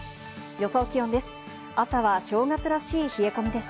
予想気温です。